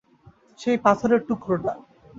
সেই পাথরের টুকরোটা।